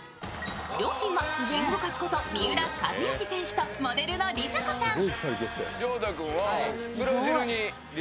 両親はキングカズこと三浦知良選手とモデルのりさ子さん。